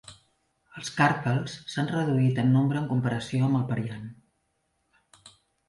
Els carpels s'han reduït en nombre en comparació amb el periant.